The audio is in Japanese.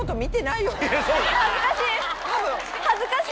恥ずかしい！